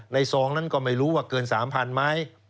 ซองนั้นก็ไม่รู้ว่าเกิน๓๐๐๐ไหม